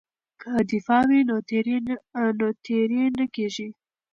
که دفاع وي نو تیری نه کیږي.